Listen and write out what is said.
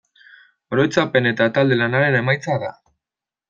Oroitzapen eta talde-lanaren emaitza da.